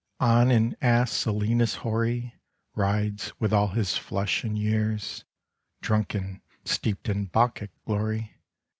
On an ass Silenus hoary Rides, with all his flesh and years, Drunken, steeped in Bacchic glory.